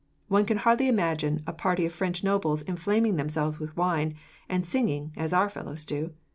One can hardly imagine a party of French nobles inflaming themselves with wine, and singing, as our fellows do.